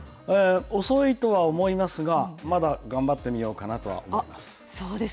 遅いとは思いますが、まだ頑張ってみようかなとは思います。